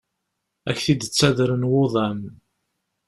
Ad k-id-ttaddren wuḍan.